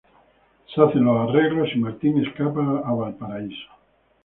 Se hacen los arreglos y Martín escapa a Valparaíso.